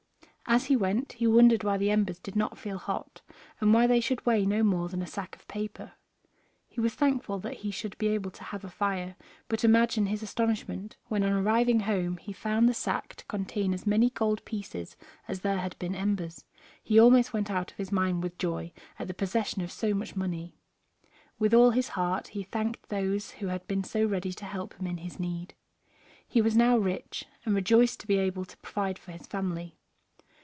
As he went he wondered why the embers did not feel hot, and why they should weigh no more than a sack of paper. He was thankful that he should be able to have a fire, but imagine his astonishment when on arriving home he found the sack to contain as many gold pieces as there had been embers; he almost went out of his mind with joy at the possession of so much money. With all his heart he thanked those who had been so ready to help him in his need. He was now rich, and rejoiced to be able to provide for his family.